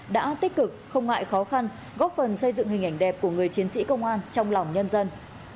đã tích cực không ngại khó khăn góp phần xây dựng hình ảnh đẹp của người chiến sĩ công an trong lòng nhân dân